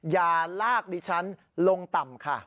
อย่าลากดิฉันลงต่ำค่ะ